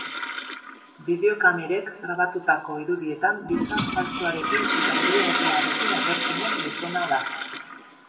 Bideokamerek grabatutako irudietan bizar faltsuarekin eta ileordearekin agertzen den gizona da.